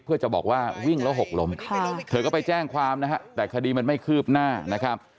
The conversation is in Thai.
เพื่อจะบอกว่าวิ่งแล้วหกล้มเธอก็ไปแจ้งความนะฮะแต่คดีมันไม่คืบหน้านะครับ